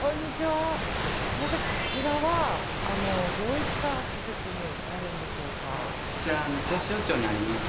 すみません、こちらはどういった施設になるんでしょうか？